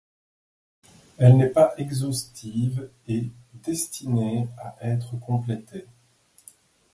Elle n'est pas exhaustive et destinée à être complétée.